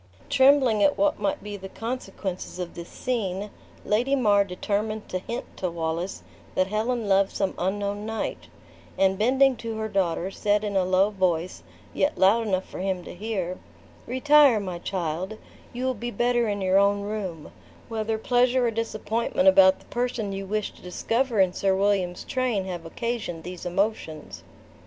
Trembling at what might be the consequences of this scene, Lady mar determined to hint to Wallace that Helen loved some unknown knight; and bending to her daughter, said in a low voice, yet loud enough for him to hear, "Retire, my child; you will be better in your own room, whether pleasure or disappointment about the person you wished to discover in Sir William's train have occasioned these emotions."